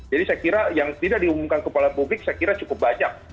jadi saya kira yang tidak diumumkan kepada publik saya kira cukup banyak